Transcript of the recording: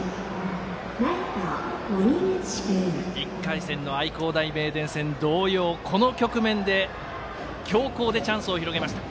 １回戦の愛工大名電戦同様この局面で強攻でチャンスを広げました。